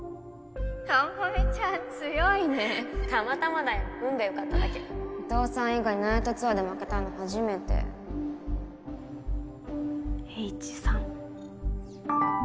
朋美ちゃん強いねたまたまだよ運が良かっただけお父さん以外にナイトツアーで負けたの初Ｈ３。